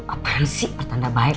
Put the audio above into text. apaan sih pertanda baik